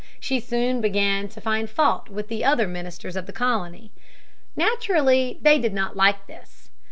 She soon began to find fault with the other ministers of the colony. Naturally, they did not like this.